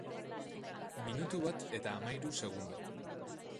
Minutu bat eta hamahiru segundo.